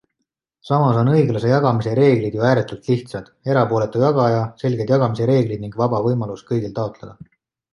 Samas on õiglase jagamise reeglid ju ääretult lihtsad - erapooletu jagaja, selged jagamise reeglid ning vaba võimalus kõigil taotleda.